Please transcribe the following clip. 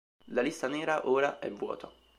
La lista nera ora è vuota.